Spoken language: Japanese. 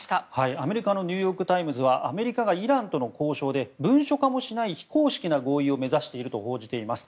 アメリカのニューヨーク・タイムズはアメリカがイランとの交渉で文書化もしない非公式な合意を目指していると報じています。